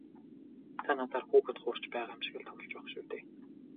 Та надаар хүүхэд хуурч байгаа юм шиг л тоглож байх шив дээ.